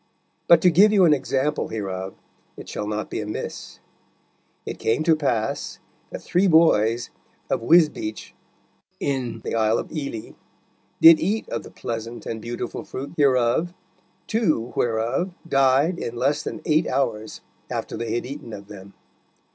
But to give you an example hereof it shall not be amiss. It came to pass that three boys of Wisbeach, in the Isle of Ely, did eat of the pleasant and beautiful fruit hereof, two whereof died in less than eight hours after they had eaten of them.